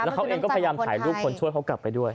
เขาเองก็พยายามถ่ายรูปคนช่วยเขากลับไปด้วย